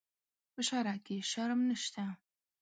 په شرعه کې شرم نشته.